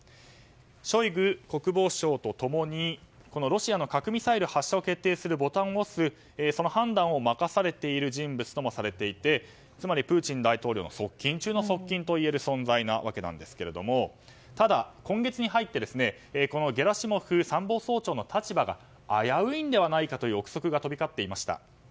ショイグ国防相と共にロシアの核ミサイル発射を決定するボタンを押す判断を任されている人物ともされていてつまりプーチン大統領の側近中の側近ともいえる存在なわけですがただ、今月に入ってゲラシモフ参謀総長の立場が危ういのではないかという憶測が飛び交っていました。